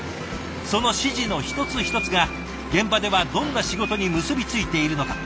その指示の一つ一つが現場ではどんな仕事に結び付いているのか。